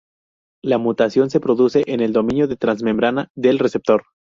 La mutación se produce en el dominio transmembrana del receptor.